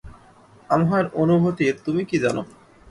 আমার অনুভূতির তুমি কী জানো?